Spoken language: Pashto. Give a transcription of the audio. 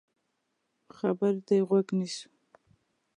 خبرو ته يې غوږ نیسو.